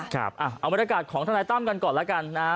เอาบรรยากาศของทนายตั้มกันก่อนแล้วกันนะฮะ